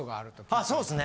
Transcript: ああそうですね。